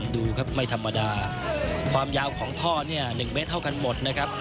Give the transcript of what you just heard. ดูครับไม่ธรรมดาความยาวของท่อเนี่ย๑เมตรเท่ากันหมดนะครับ